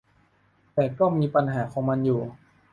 แต่ก็มีปัญหาของมันอยู่